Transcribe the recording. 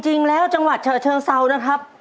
จริงแล้วจังหวัดฉะเชิงเซานะครับ